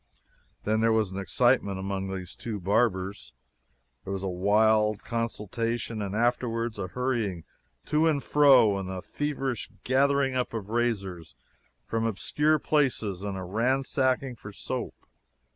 Then there was an excitement among those two barbers! There was a wild consultation, and afterwards a hurrying to and fro and a feverish gathering up of razors from obscure places and a ransacking for soap.